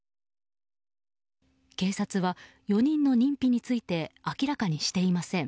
警察は４人の認否について明らかにしていません。